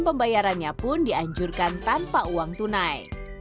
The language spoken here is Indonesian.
beberapa booth makan di sini juga memiliki perangkat yang berkaitan dengan kesehatan